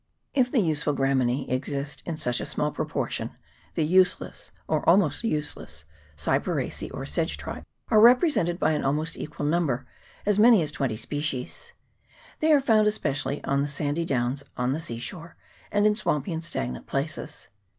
If the useful Graminece exist in such a small proportion, the useless, or almost useless, Cyperacece, or Sedge tribe, are represented by an almost equal number as many as 20 species. They are found especially on the sandy downs on the sea shore, and in swampy and stagnant places.